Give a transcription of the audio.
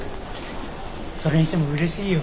それにしてもうれしいよ。